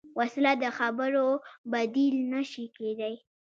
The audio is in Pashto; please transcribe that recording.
وسله د خبرو بدیل نه شي کېدای